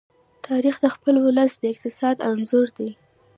تاریخ د خپل ولس د اقتصاد انځور دی.